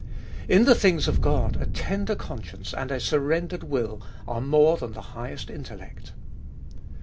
In the things of God a tender conscience and a surrendered will are more than the highest intellect.